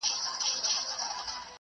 هغه به خپله ميږه هم پخپله لشله.